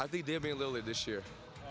gue pikir dia jadi lillian tahun ini